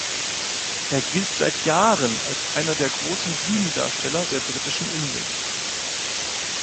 Er gilt seit Jahren als einer der großen Bühnendarsteller der britischen Inseln.